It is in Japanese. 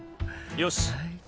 よし。